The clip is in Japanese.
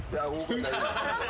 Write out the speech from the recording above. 大丈夫です。